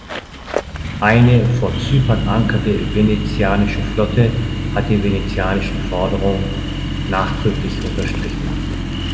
Eine vor Zypern ankernde venezianische Flotte hat die venezianische Forderung nachdrücklich unterstrichen.